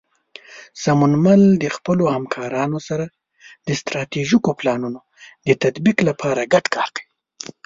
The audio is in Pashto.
سمونمل د خپلو همکارانو سره د ستراتیژیکو پلانونو د تطبیق لپاره ګډ کار کوي.